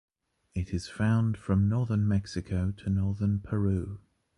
It is found from northern Mexico to northern Peru.